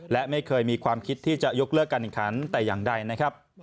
และไม่เคยมีความคิดที่จะยกเลิกการแข่งขันแต่อย่างใดนะครับ